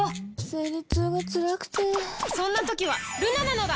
生理痛がつらくてそんな時はルナなのだ！